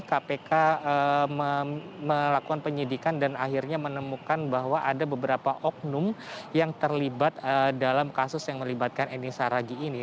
kpk melakukan penyidikan dan akhirnya menemukan bahwa ada beberapa oknum yang terlibat dalam kasus yang melibatkan eni saragi ini